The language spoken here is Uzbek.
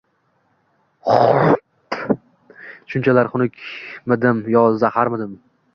Shunchalar xunukmidim yo zaharmidim